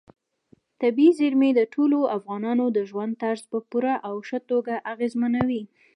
طبیعي زیرمې د ټولو افغانانو د ژوند طرز په پوره او ښه توګه اغېزمنوي.